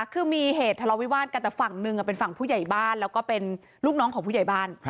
คือมีเหตุทะเลาวิวาสกันแต่ฝั่งหนึ่งเป็นฝั่งผู้ใหญ่บ้านแล้วก็เป็นลูกน้องของผู้ใหญ่บ้าน